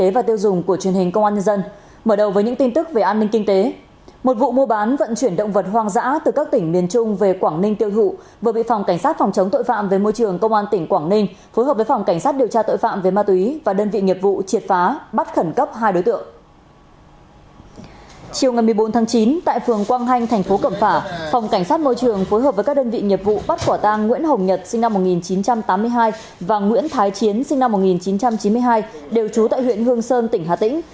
phòng cảnh sát môi trường phối hợp với các đơn vị nhiệm vụ bắt quả tang nguyễn hồng nhật sinh năm một nghìn chín trăm tám mươi hai và nguyễn thái chiến sinh năm một nghìn chín trăm chín mươi hai đều trú tại huyện hương sơn tỉnh hà tĩnh